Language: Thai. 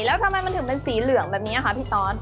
แล้วทำไมมันถึงเป็นสีเหลืองแบบนี้ค่ะพี่ตอส